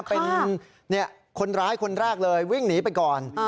เป็นคนร้ายคนแรกเลยวิ่งหนีไปก่อน